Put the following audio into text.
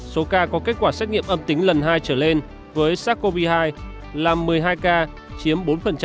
số ca có kết quả xét nghiệm âm tính lần hai trở lên với sars cov hai là một mươi hai ca chiếm bốn